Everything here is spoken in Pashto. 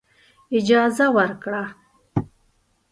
اجازه ورکړه.